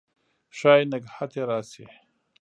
ښايي نګهت یې راشي